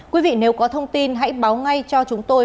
quý vị nếu có thông tin hãy báo ngay cho chúng tôi